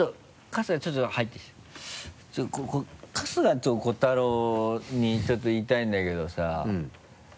春日と瑚太郎にちょっと言いたいんだけどさ。